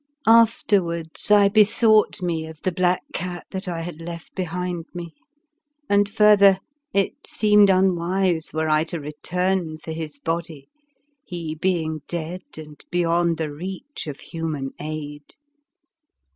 Afterwards I bethought me of the black cat that I had left behind me, and further, it seemed unwise were I to return for his body, he being 6 4 The Fearsome Island dead and beyond the reach of human aid.